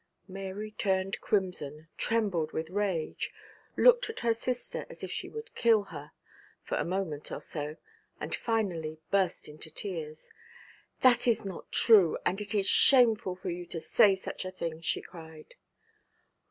Mary turned crimson, trembled with rage, looked at her sister as if she would kill her, for a moment or so, and finally burst into tears. 'That is not true, and it is shameful for you to say such a thing,' she cried.